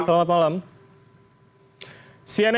salam sehat selalu pak ruli pak bram